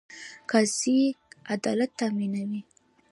قاضي عدالت تامینوي